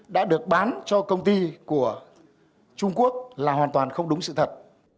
đã được bán cho công ty của trung quốc là hoàn toàn không đúng sự thật